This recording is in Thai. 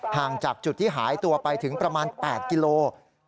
ห่างจากจุดที่หายตัวไปถึงประมาณ๘กิโล